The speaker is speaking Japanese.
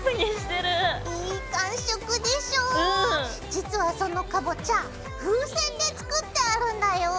実はそのかぼちゃ風船で作ってあるんだよ！